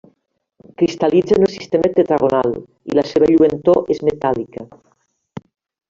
Cristal·litza en el sistema tetragonal i la seva lluentor és metàl·lica.